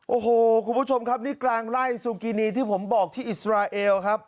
โอ้โหคุณผู้ชมครับนี่กลางไล่ซูกินีที่ผมบอกที่อิสราเอลครับ